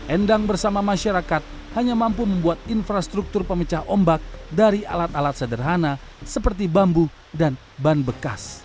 endang bersama masyarakat hanya mampu membuat infrastruktur pemecah ombak dari alat alat sederhana seperti bambu dan ban bekas